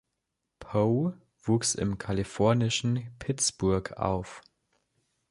Poe wuchs im kalifornischen Pittsburg auf.